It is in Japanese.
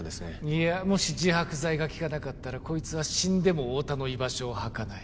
いやもし自白剤が効かなかったらこいつは死んでも太田の居場所を吐かない